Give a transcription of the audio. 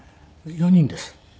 ４人です。